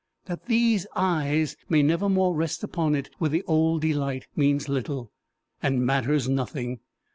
That these eyes may never more rest upon it with the old delight, means little, and matters nothing.